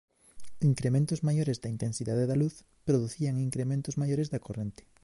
Incrementos maiores da intensidade da luz producían incrementos maiores da corrente.